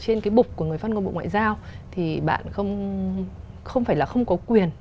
trên cái bục của người phát ngôn bộ ngoại giao thì bạn không phải là không có quyền